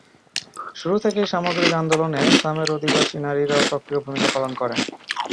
শুরু থেকেই সামগ্রিক আন্দোলনে সামের আদিবাসী নারীরাও সক্রিয় ভূমিকা পালন করেন।